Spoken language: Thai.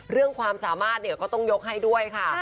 เรื่องความสามารถก็ต้องยกให้ด้วยค่ะ